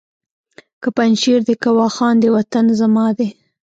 که پنجشېر دی که واخان دی وطن زما دی